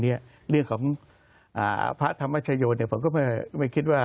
เนี้ยเรื่องของอ่าพระธรรมชโยชน์เนี่ยผมก็ไม่คิดว่า